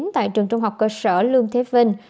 tại trường trung học cơ sở lương thế vinh